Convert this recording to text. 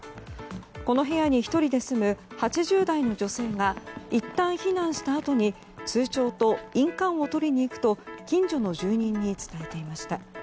この部屋に１人で住む８０代の女性がいったん避難したあとに通帳と印鑑を取りに行くと近所の住人に伝えていました。